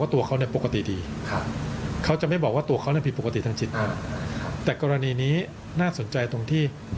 แต่กรณีนี้น่าสนใจตรงที่